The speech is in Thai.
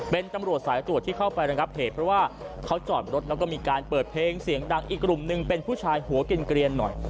เป็นตำรวจสายตรวจที่เข้าไประงับเหตุเพราะว่าเขาจอดรถแล้วก็มีการเปิดเพลงเสียงดังอีกกลุ่มหนึ่งเป็นผู้ชายหัวกินเกลียนหน่อย